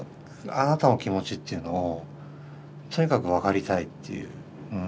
あなたの気持ちというのをとにかく分かりたいっていう。